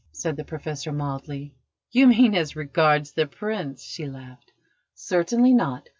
said the Professor mildly. "You mean as regards the Prince?" she laughed. "Certainly not.